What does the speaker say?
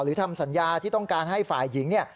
หรือทำสัญญาที่ต้องการให้ฝ่ายหญิง